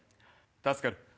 助かる。